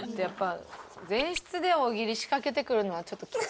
前室で大喜利仕掛けてくるのはちょっときついです。